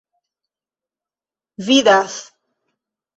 vidas